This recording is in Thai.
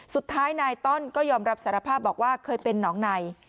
สุดท้ายนายต้อนก็ยอมรับสารภาพบอกว่าเคยเป็นน้องใน